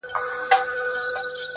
ها دی سلام يې وکړ~